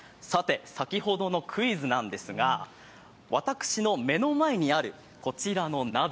先ほどのクイズなんですが、私の目の前にあるこちらの鍋